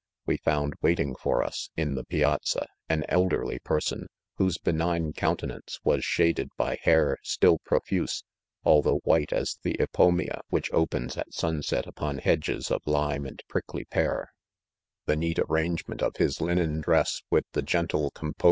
We found waiting for us, in. the piazza, an elderly pers on, whose benign e ountenancerwas shaded hy hair still profuse, although white as the inomar:. \dhic!.i opens at sunset upon hedges of lime r::isl o?:icMv Dear, .'\hu oaeat arrange a3 " 6 IDOMEN. ment of his linen diess with the gentle compo